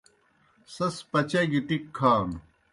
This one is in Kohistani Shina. سیْس پچاگیْ ٹِکیْ کھانوْ۔